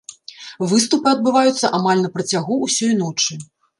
Выступы адбываюцца амаль на працягу ўсёй ночы.